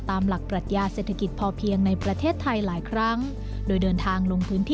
ตามหลักปรัชญาเศรษฐกิจพอเพียงในประเทศไทยหลายครั้ง